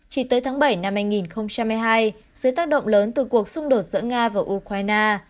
chỉ tới tháng bảy năm hai nghìn hai mươi hai dưới tác động lớn từ cuộc xung đột giữa nga và ukraine